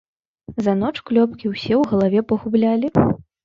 За ноч клёпкі ўсе ў галаве пагублялі?